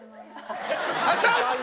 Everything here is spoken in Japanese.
あっした！